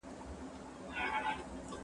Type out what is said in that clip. که موبایل وي نو غږ نه ورک کیږي.